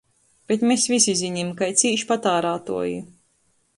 Bet mes vysi zinim, kai cīš patārātuoji.